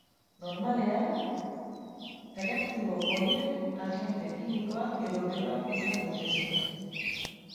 Normalean, erreaktibo horiek agente kimikoak edo beroa izan daitezke.